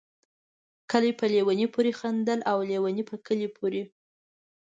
کلي په ليوني پوري خندل ، او ليوني په کلي پوري